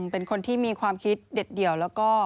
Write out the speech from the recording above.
เป็นคนที่มีความคิดเด็ดเดี่ยวแล้วก็